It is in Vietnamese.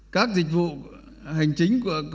các dịch vụ hành chính